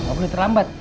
gak boleh terlambat